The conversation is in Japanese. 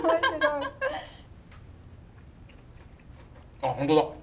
あっ本当だ！